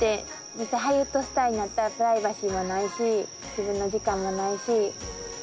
実際ハリウッドスターになったらプライバシーもないし自分の時間もないし。